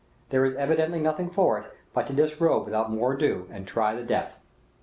There is evidently nothing for it but to disrobe without more ado and try the depth.